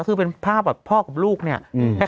คือเป็นภาพแบบพ่อกับลูกเนี่ย